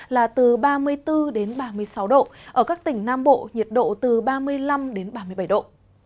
là từ ba mươi bốn đến ba mươi sáu độ ở các tỉnh nam bộ nhiệt độ từ ba mươi năm đến ba mươi bảy độ